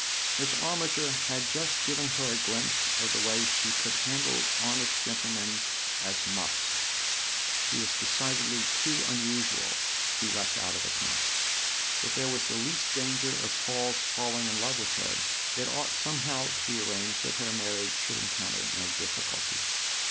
Miss Armiger had just given her a glimpse of the way she could handle honest gentlemen as " muffs." She was decidedly too unusual to be left out of account. If there was the least danger of Paul's falling in love with her it ought somehow to be arranged that her marriage should encounter no difficulty.